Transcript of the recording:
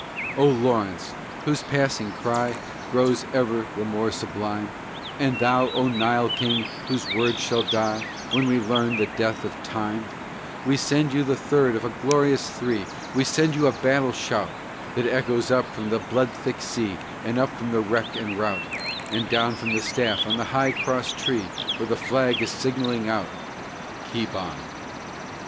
O Lawrence, whose passing cry Grows ever the more sublime, And thou, O Nile King, whose words shall die When we learn of the death of time, We send you the third of a glorious three; We send you a battle shout That echoes up from the blood thick sea And up from the wreck and rout And down from the staff on the high cross tree Where the flag is signalling out: "Keep on."